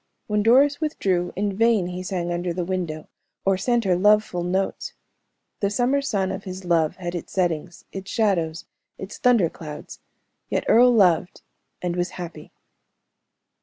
When Doris withdrew, in vain he sang under the window, or sent her love full notes. The summer sun of his love had its settings, its shadows, its thunder clouds, yet Earle loved and was happy.